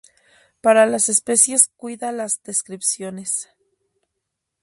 Para las especies cuida las descripciones.